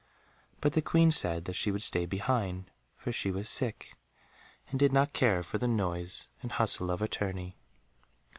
But the Queen said she would stay behind, for she was sick, and did not care for the noise and hustle of a tourney.